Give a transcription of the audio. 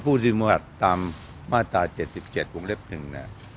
พูดถึงตามมาตร๗๗วงเล็บหนึ่งน่ะ